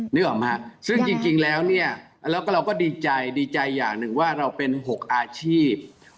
นึกออกไหมซึ่งจริงแล้วเนี่ยแล้วก็เราก็ดีใจดีใจอย่างหนึ่งว่าเราเป็น๖อาชีพ